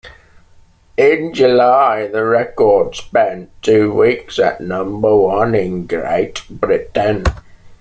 In July the record spent two weeks at number one in Great Britain.